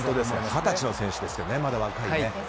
二十歳の選手ですね、まだ若い。